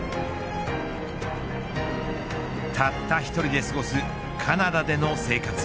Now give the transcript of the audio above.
たった一人で過ごすカナダでの生活。